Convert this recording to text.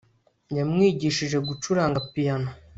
yamwigishije gucuranga piyano